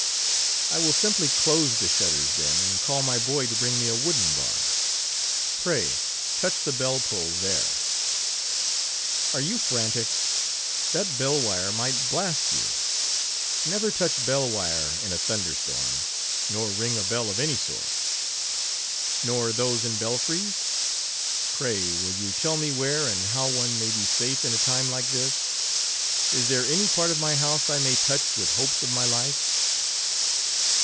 "I will simply close the shutters, then, and call my boy to bring me a wooden bar. Pray, touch the bell pull there. "Are you frantic? That bell wire might blast you. Never touch bell wire in a thunder storm, nor ring a bell of any sort." "Nor those in belfries? Pray, will you tell me where and how one may be safe in a time like this? Is there any part of my house I may touch with hopes of my life?"